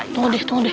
tunggu deh tunggu deh